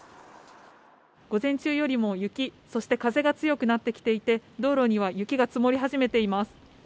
午前中よりも雪、そして風が強くなってきていて、道路には雪が積もり始めています。